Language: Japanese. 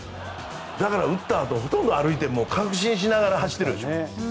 だから、打ったあとほとんど歩いて確信しながら歩いてるでしょ。